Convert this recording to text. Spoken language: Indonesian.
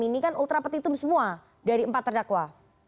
ini kan ultra petitum semua dari empat terdakwa